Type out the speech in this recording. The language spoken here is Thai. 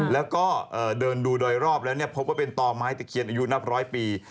แล้วก็เดินดูโดยรอบแล้วพบว่าเป็นต่อไม้ตะเคียนอายุนับร้อยปี